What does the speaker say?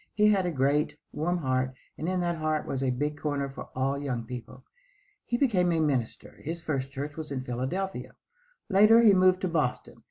He had a great, warm heart, and in that heart was a big corner for all young people. He became a minister. His first church was in Philadelphia. Later he moved to Boston.